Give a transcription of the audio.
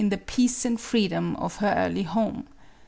the peace and freedom of her early home.